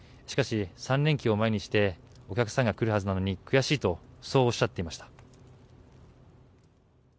しかし３連休を前にしてお客さんが来るはずなのに悔しいとそうおっしゃっていました。